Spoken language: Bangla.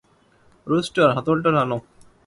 রুস্টার, হাতলটা টানো।